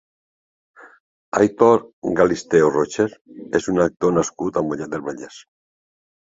Aitor Galisteo-Rocher és un actor nascut a Mollet del Vallès.